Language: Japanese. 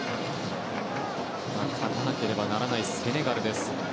勝たなければならないセネガルです。